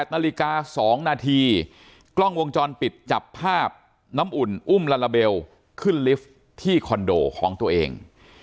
นาฬิกา๒นาทีกล้องวงจรปิดจับภาพน้ำอุ่นอุ้มลาลาเบลขึ้นลิฟท์ที่คอนโดของตัวเอง